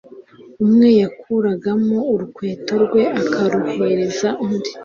umwe yakuragamo urukweto rwe akaruhereza undi